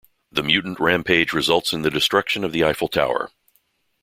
The mutant rampage results in the destruction of the Eiffel Tower.